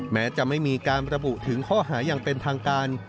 แม้จะไม่มีการระบุถึงข้อหาอย่างเป็นทางการ